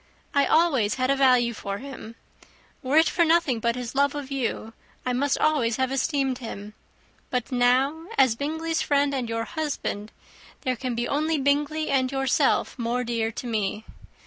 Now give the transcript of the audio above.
I always had a value for him. Were it for nothing but his love of you, I must always have esteemed him; but now, as Bingley's friend and your husband, there can be only Bingley and yourself more dear to me.